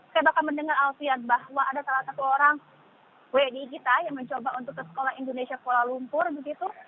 saya bahkan mendengar alfian bahwa ada salah satu orang wni kita yang mencoba untuk ke sekolah indonesia kuala lumpur begitu